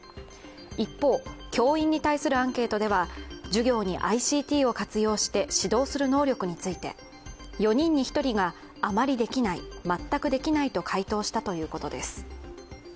一方、教員に対するアンケートでは授業にＩＣＴを活用して指導する能力について４人に１人があまりできない、全くできないと回答したということです。